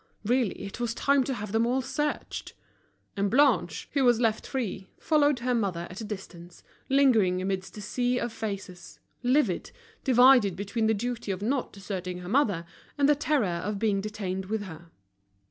Really it was time to have them all searched! And Blanche, who was left free, followed her mother at a distance, lingering amidst the sea of faces, livid, divided between the duty of not deserting her mother and the terror of being detained with her.